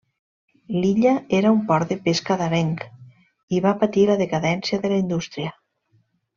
L'illa era un port de pesca d'areng i va patir la decadència de la indústria.